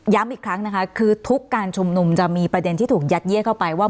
อีกครั้งนะคะคือทุกการชุมนุมจะมีประเด็นที่ถูกยัดเยียดเข้าไปว่า